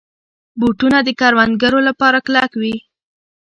بوټونه د کروندګرو لپاره کلک وي.